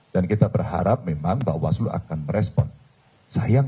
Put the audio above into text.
dan kita berharap memang bawaslu akan berjalan